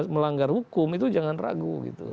melanggar hukum itu jangan ragu gitu